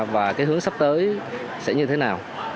và hướng sắp tới sẽ như thế nào